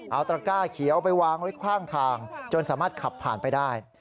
เอาตระก้าเขียวไปวางไว้ข้างทางจนสามารถขับผ่านไปได้